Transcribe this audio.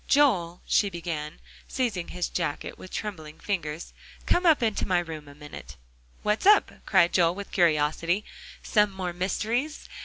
"Joel," she began, seizing his jacket with trembling fingers, "come up into my room a minute." "What's up?" cried Joel with curiosity; "some more mysteries?